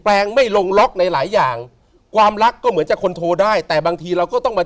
อาจารย์ฆ่าหนูให้ตายดีกว่า